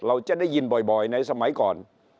เราจะได้ยินบ่อยในสมัยก่อน